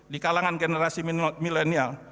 di kalangan generasi milenial